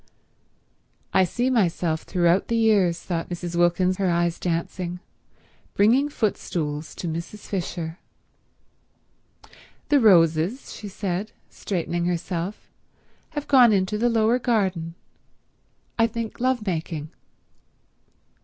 "I see myself throughout the years," thought Mrs. Wilkins, her eyes dancing, "bringing footstools to Mrs. Fisher. .." "The Roses," she said, straightening herself, "have gone into the lower garden—I think lovemaking."